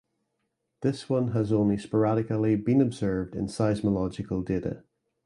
This one has only sporadically been observed in seismological data.